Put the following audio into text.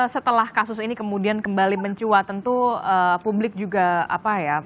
setelah kasus ini kemudian kembali mencuat tentu publik juga apa ya